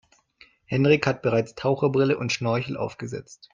Henrik hat bereits Taucherbrille und Schnorchel aufgesetzt.